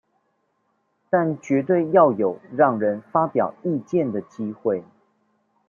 但絕對要有讓人發表意見的機會